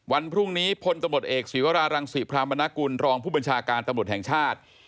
วันพรุ่งนี้พลตำรวจเอกศีวรารังศรีพรามนกุลรองผู้บัญชาการตำรวจแห่งชาติ